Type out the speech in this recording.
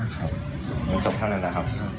เงินสดเท่านั้นแหละครับ